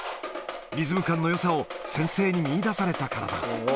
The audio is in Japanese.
リズム感のよさを先生に見いだされたからだ。